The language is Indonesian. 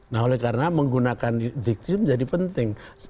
nah oleh karena menggunakan diksi menjadi penting